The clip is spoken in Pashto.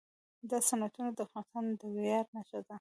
دا صنعتونه د افغانستان د ویاړ نښه ده.